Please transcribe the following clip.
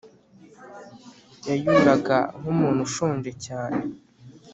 yayuraga nkumuntu ushonje cyane